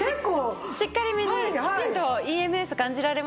しっかりめにきちんとＥＭＳ感じられますよね。